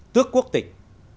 tước quốc tịch